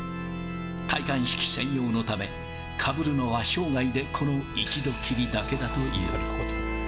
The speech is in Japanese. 戴冠式専用のため、かぶるのは生涯でこの一度きりだけだという。